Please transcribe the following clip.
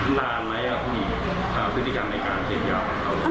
นานไหมอ่ะคุณหญิงอ่าพฤติกรรมในการเทียบยาวของเขา